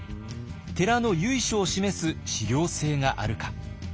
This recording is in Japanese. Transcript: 寺の由緒を示す史料性があるか。